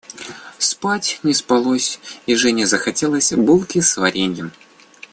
Спать не спалось, и Жене захотелось булки с вареньем.